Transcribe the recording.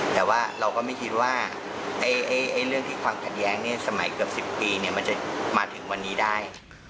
แต่ว่าเราก็ไม่คิดว่าเอ๊ะเอ๊ะเอ๊ะเรื่องที่ความขัดแย้งเนี้ยสมัยเกือบสิบปีเนี้ยมันจะมาถึงวันนี้ได้